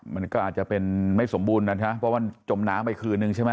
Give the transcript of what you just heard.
มันก็อาจจะเป็นไม่สมบูรณ์นะใช่ไหมเพราะมันจมน้ำไปคืนนึงใช่ไหม